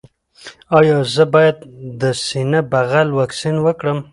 ایا زه باید د سینه بغل واکسین وکړم؟